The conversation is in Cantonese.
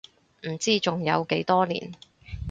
唔知仲有幾多年